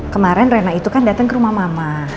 kemarin rena itu kan datang ke rumah mama